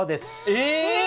え！